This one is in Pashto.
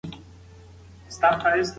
که یخنۍ وي نو زده کوونکی نه ګرمیږي.